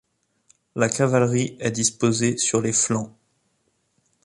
La cavalerie est disposée sur les flancs.